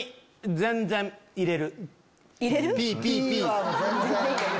全然入れる？